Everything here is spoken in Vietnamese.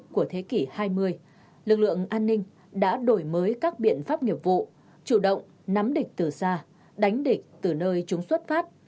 của thế kỷ hai mươi lực lượng an ninh đã đổi mới các biện pháp nghiệp vụ chủ động nắm địch từ xa đánh địch từ nơi chúng xuất phát